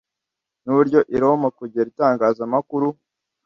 Nuburyo i Roma kubera itangazamakuru